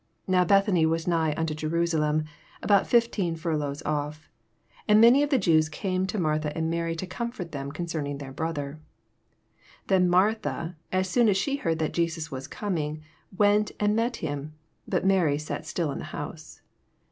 18 Now Bethany was nigh nnto Je rusalem, about fifteen furlongs off: 19 And many of the Jews came to Martha and Mary, to comfort them oon oerning their brother. 20 Then Martha, as soon as she heard that Jesus was coming, went and met him: but Mary sai still in the house.